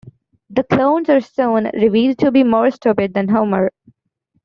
The clones are soon revealed to be more stupid than Homer.